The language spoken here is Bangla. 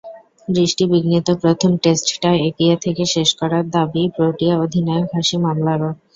বৃষ্টিবিঘ্নিত প্রথম টেস্টটা এগিয়ে থেকে শেষ করার দাবি প্রোটিয়া অধিনায়ক হাশিম আমলারও।